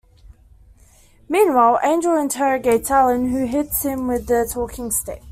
Meanwhile, Angel interrogates Allen, who hits him with the talking stick.